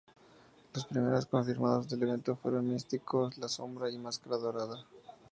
Los primeros confirmados del evento fueron Místico, La Sombra y Máscara Dorada.